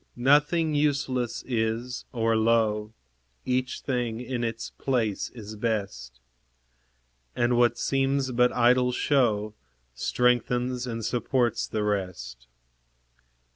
Nothing useless is, or low; Each thing in its place is best; And what seems but idle show Strengthens and supports the rest.